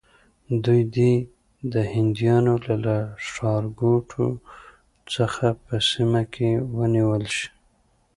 دوی دې د هندیانو له ښارګوټو څخه په سیمه کې ونیول شي.